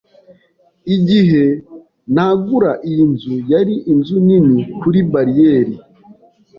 Igihe nagura iyi nzu, yari inzu nini kuri bariyeri.